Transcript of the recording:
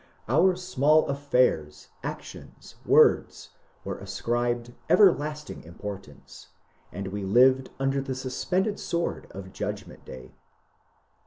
Our small affairs, actions, words, were ascribed everlasting importance, and we lived under the suspended sword of Judgment Day.